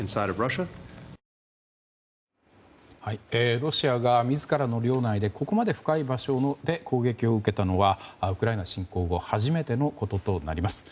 ロシアが自らの領内のここまで深い場所で攻撃を受けたのはウクライナ侵攻後初めてのこととなります。